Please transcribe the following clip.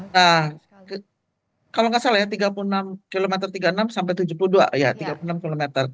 nah kalau nggak salah ya tiga puluh enam km tiga puluh enam sampai tujuh puluh dua ya tiga puluh enam km